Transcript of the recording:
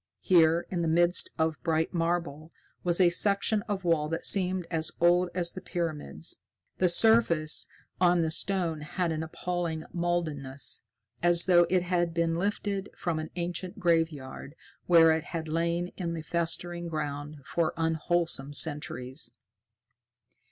Here, in the midst of bright marble, was a section of wall that seemed as old as the pyramids. The surface of the stone had an appalling mouldiness, as though it had been lifted from an ancient graveyard where it had lain in the festering ground for unwholesome centuries.